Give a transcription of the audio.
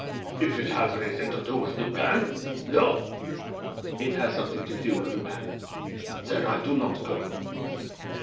"If it has anything to do with Lupin—no!" "It has something to do with Lupin." "Then I do not go."